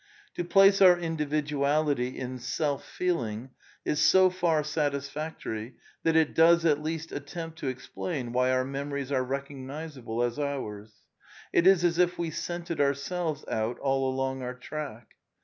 To place our individuality in self feeling is so far satisfactory that it does at least attempt to explain why our memories are recognizable as ours. It is as if we scented ourselves out all along our track.